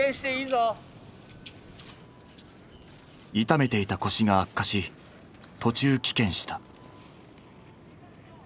痛めていた腰が悪化し途中棄権した。